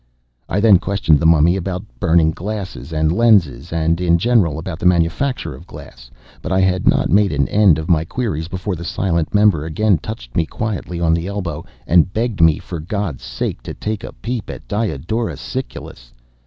I then questioned the Mummy about burning glasses and lenses, and, in general, about the manufacture of glass; but I had not made an end of my queries before the silent member again touched me quietly on the elbow, and begged me for God's sake to take a peep at Diodorus Siculus.